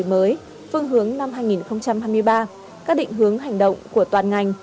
trong năm mới phương hướng năm hai nghìn hai mươi ba các định hướng hành động của toàn ngành